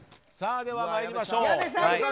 では、参りましょう。